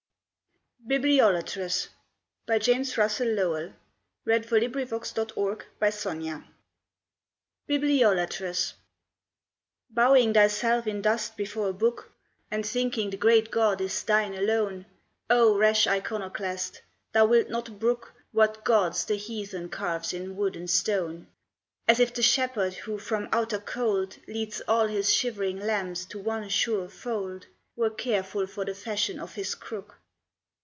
ed Mayflower's prophet track To Europe, entering her blood red eclipse. BIBLIOLATRES. Bowing thyself in dust before a Book, And thinking the great God is thine alone, O rash iconoclast, thou wilt not brook What gods the heathen carves in wood and stone, As if the Shepherd who from outer cold Leads all his shivering lambs to one sure fold Were careful for the fashion of his crook.